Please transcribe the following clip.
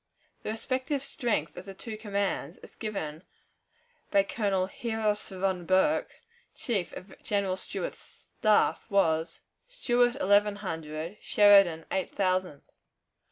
The respective strength of the two commands, as given by Colonel Heros von Borke, chief of General Stuart's staff, was, Stuart, eleven hundred; Sheridan, eight thousand.